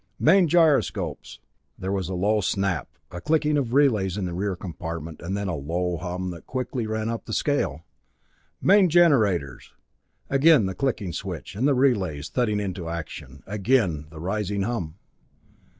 "Main gyroscopes!" There was a low snap, a clicking of relays in the rear compartment, and then a low hum that quickly ran up the scale. "Main generators!" Again the clicking switch, and the relays thudding into action, again the rising hum.